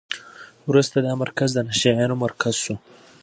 وروسته دا مرکز د نشه یانو مرکز شو.